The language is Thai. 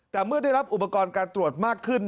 แต่เมื่อได้รับอุปกรณ์การตรวจมากขึ้น